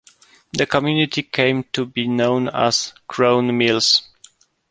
The community came to be known as Crown Mills.